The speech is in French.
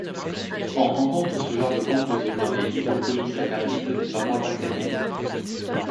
On rencontre ce genre de composé dans les lipopolysaccharides des parois bactériennes.